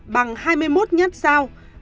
bằng hai mươi một nhất sao